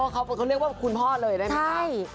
เขาเรียกว่าคุณพ่อเลยได้ไหมคะ